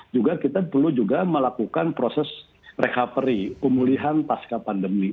juga kita perlu juga melakukan proses recovery pemulihan pasca pandemi